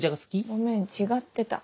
ごめん違ってた。